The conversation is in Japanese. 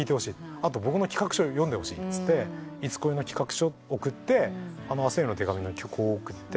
「僕の企画書読んでほしい」っつって『いつ恋』の企画書送って『明日への手紙』の曲を送って。